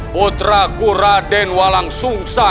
putraku raden walang sungsa